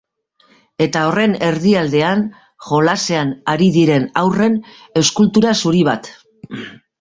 Eta, horren erdialdean, jolasean ari diren haurren eskultura zuri bat.